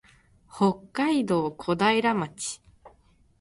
北海道古平町